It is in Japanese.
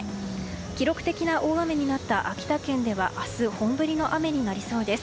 記録的な大雨になった秋田県では明日、本降りの雨になりそうです。